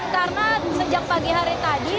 karena sejak pagi hari tadi